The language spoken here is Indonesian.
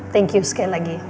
thank you sekali lagi